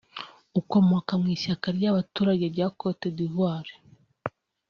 ukomoka mu ishyaka ry’abaturage rya Cote d’Ivoire